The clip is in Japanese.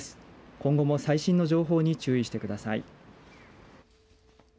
今後も最新の情報に注意してください。